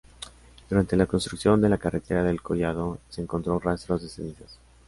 Durante la construcción de la carretera del collado, se encontró rastros de cenizas.